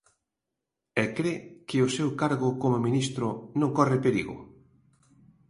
E cre que o seu cargo como ministro non corre perigo.